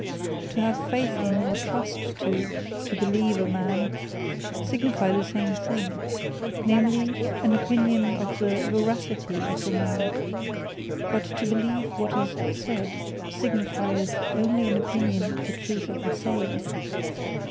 To Have Faith In, or Trust To, or Beleeve A Man, signifie the same thing; namely, an opinion of the veracity of the man: But to Beleeve What Is Said, signifieth onely an opinion of the truth of the saying.